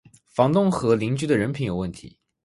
房东和邻居的人品有问题